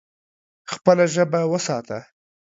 خپله ژبه وساته.